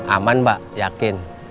aman mbak yakin